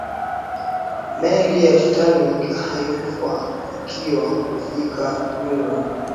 meli ya titanic haikufanikiwa kufika new york